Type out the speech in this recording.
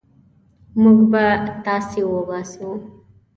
موږ به تاسي وباسو.